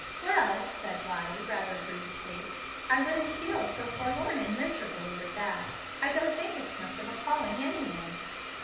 "Well," said Lottie, rather brusquely, "I wouldn't feel so forlorn and miserable over that. I don't think it's much of a calling anyway."